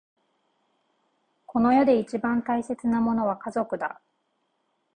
この世で一番大切なものは家族だ。